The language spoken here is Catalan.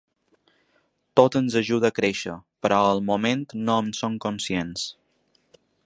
Tot ens ajuda a créixer, però al moment no en som conscients.